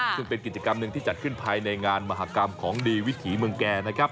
ซึ่งเป็นกิจกรรมหนึ่งที่จัดขึ้นภายในงานมหากรรมของดีวิถีเมืองแก่นะครับ